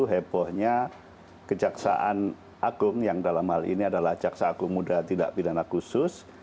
hebohnya kejaksaan agung yang dalam hal ini adalah jaksa agung muda tindak pidana khusus